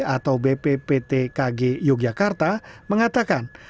atau bpbtkg yogyakarta mengatakan